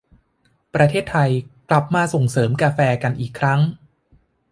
ประเทศไทยกลับมาส่งเสริมกาแฟกันอีกครั้ง